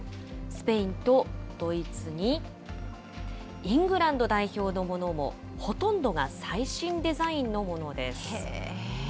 スペインとドイツに、イングランド代表のものも、ほとんどが最新デザインのものです。